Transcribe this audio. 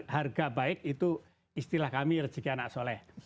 harga baik itu istilah kami rezeki anak soleh